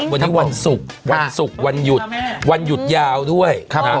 วันนี้วันศุกร์วันศุกร์วันหยุดวันหยุดยาวด้วย